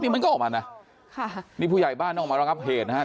นี่มันก็ออกมานะครับนี่ผู้ใหญ่บ้านออกมาแล้วครับเหตุนะครับ